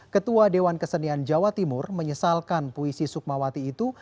ketua dewan kesenian jawa timur menyesalkan puisi sukmawati itu